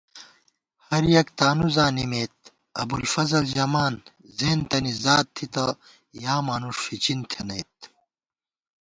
ہر یَک تانُو زانِمېت ابُوالفضل ژَمان زیَنتَنی ذات تھِتہ یا مانُوݭ فِچِن تھنَئیت